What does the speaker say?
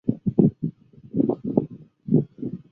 中间雀麦为禾本科雀麦属下的一个种。